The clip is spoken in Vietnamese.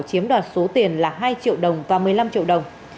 chiếm đoạt số tiền là hai triệu đồng và một mươi năm triệu đồng